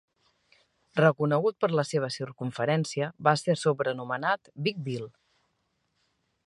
Reconegut per la seva circumferència, va ser sobrenomenat "Big Bill".